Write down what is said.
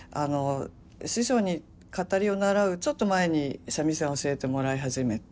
師匠に語りを習うちょっと前に三味線を教えてもらい始めて。